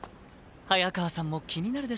早川さんも気になるでしょ？